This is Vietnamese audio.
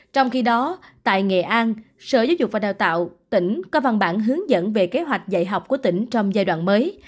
trong khi đó tại nghệ an sở giáo dục và đào tạo tỉnh có văn bản hướng dẫn về kế hoạch dạy học của tỉnh trong giai đoạn mới